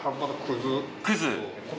くず。